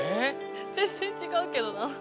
全然違うけどなあ。